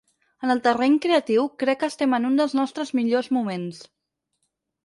En el terreny creatiu, crec que estem en un dels nostres millors moments.